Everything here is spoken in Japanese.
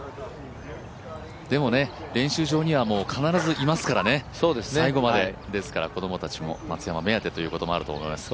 でもね、練習場には必ずいますからね、最後までですから、子供たちも松山目当てというところもあるでしょう。